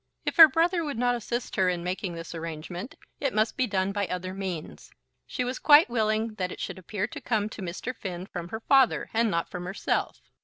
If her brother would not assist her in making this arrangement, it must be done by other means. She was quite willing that it should appear to come to Mr. Finn from her father and not from herself.